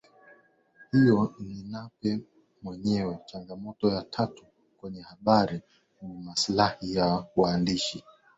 hiyo ni Nape mwenyeweChangamoto ya tatu kwenye habari ni maslahi ya waandishi wa